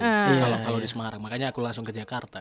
kalau di semarang makanya aku langsung ke jakarta